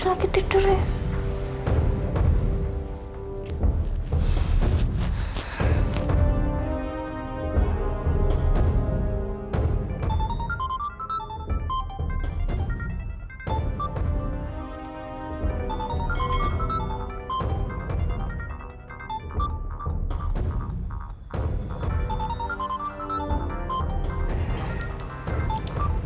lagi tidur ya